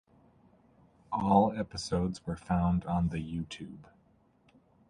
All Episodes were found on the YouTube.